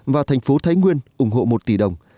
và thành phố thái nguyên ủng hộ một tỷ đồng